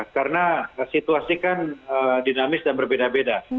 karena situasi kan dinamis dan berbeda beda